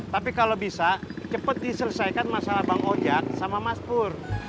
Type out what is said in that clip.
tapi kalau bisa cepat diselesaikan masalah bang ojek sama mas pur